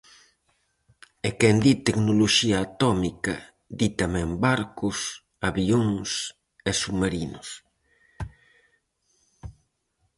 E quen di tecnoloxía atómica, di tamén barcos, avións e submarinos.